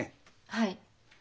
はい。